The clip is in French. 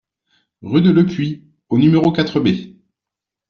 Rue de Lepuix au numéro quatre B